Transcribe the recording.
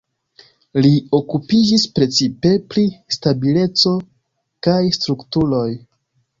Li okupiĝis precipe pri stabileco kaj strukturoj.